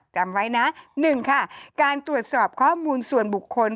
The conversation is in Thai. จำไว้นะ๑ค่ะการตรวจสอบข้อมูลส่วนบุคคล